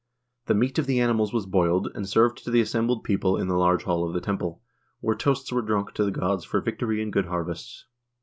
The meat of the animals was boiled, and served to the assembled people in the large hall of the temple, where toasts were drunk to the gods for victory and good harvests.